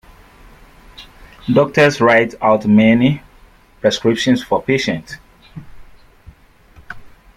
Doctors write out many prescriptions for patients